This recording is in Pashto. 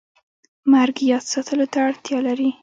مرګ یاد ساتلو ته اړتیا لري